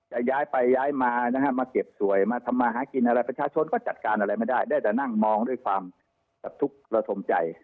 ย้ายไปย้ายมานะฮะมาเก็บสวยมาทำมาหากินอะไรประชาชนก็จัดการอะไรไม่ได้ได้แต่นั่งมองด้วยความทุกข์ระสมใจ